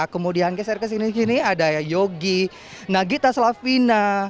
kemudian keser ke sini kini ada yogi nagita slavina